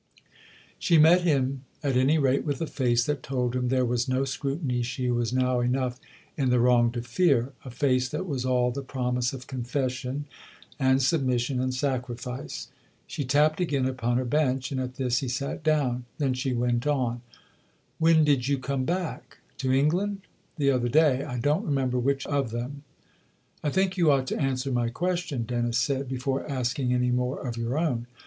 She met him at any rate with a face that told him there was no scrutiny she was now enough in the wrong to fear, a face that was all the promise of confession and submission and sacrifice. She tapped again upon her bench, and at this he sat down. Then she went on :" When did you come back ?"" To England ? The other day I don't remem ber which of them. I think you ought to answer my question," Dennis said, " before asking any more of your own."